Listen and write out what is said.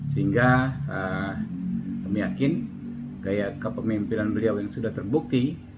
sehingga kami yakin gaya kepemimpinan beliau yang sudah terbukti